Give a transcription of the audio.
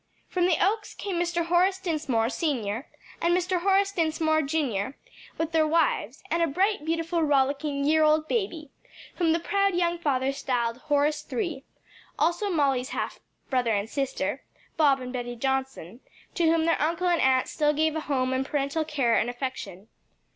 From the Oaks came Mr. Horace Dinsmore, Sr., and Mr. Horace Dinsmore, Jr., with their wives and a bright, beautiful, rollicking year old boy, whom the proud young father styled Horace III.; also Molly's half brother and sister, Bob and Betty Johnson, to whom their uncle and aunt still gave a home and parental care and affection.